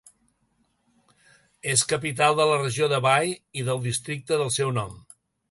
És capital de la regió de Bay, i del districte del seu nom.